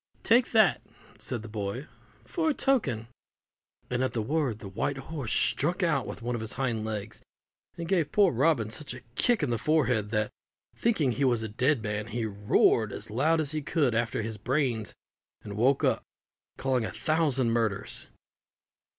"Take that," said the boy, "for a token" and at the word the white horse struck out with one of his hind legs, and gave poor Robin such a kick in the forehead that, thinking he was a dead man, he roared as loud as he could after his brains, and woke up, calling a thousand murders.